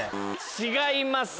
違います。